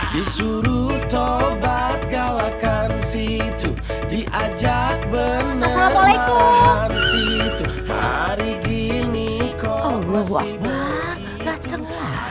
disuruh tobat galakan situ diajak beneran assalamualaikum hari gini kau masih